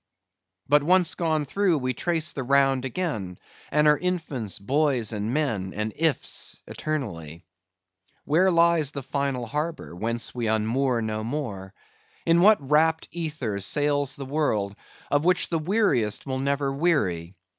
But once gone through, we trace the round again; and are infants, boys, and men, and Ifs eternally. Where lies the final harbor, whence we unmoor no more? In what rapt ether sails the world, of which the weariest will never weary?